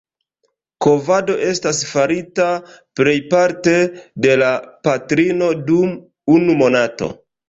Kovado estas farita plejparte de la patrino dum unu monato.